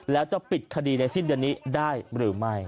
แล้วจะปิดคดีในสิ้นเดือนนี้ได้หรือไม่